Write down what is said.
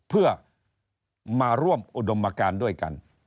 เพื่อมาร่วมอุดมการด้วยกัน